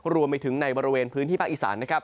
รวมไปถึงในบริเวณพื้นที่ภาคอีสานนะครับ